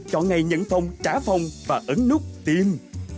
chọn ngay nhận phòng trả phòng và ấn nút tìm